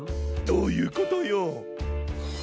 どういうことよ。